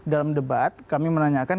dalam debat kami menanyakan